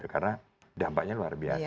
karena dampaknya luar biasa